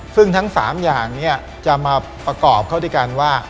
ซึ่งทั้ง๓อย่างจะมาประกอบเข้าในการว่า